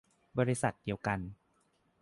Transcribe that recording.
บริษัทเดียวกัน